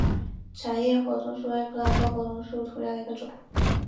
窄叶火筒树为葡萄科火筒树属下的一个种。